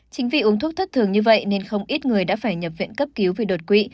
chính vì uống thuốc thất thường như vậy nên không ít người đã phải nhập viện cấp cứu vì đột quỵ